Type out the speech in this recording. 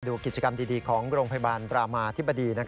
ดูกิจกรรมดีของโรงพยาบาลรามาธิบดี